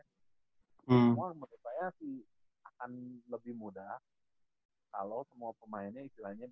semua menurut saya sih akan lebih mudah kalau semua pemainnya istilahnya